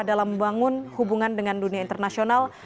dalam membangun hubungan dengan dunia internasional